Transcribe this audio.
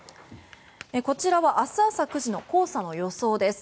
こちらは明日朝９時の黄砂の予想です。